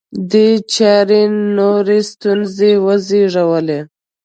دې چارې نورې ستونزې وزېږولې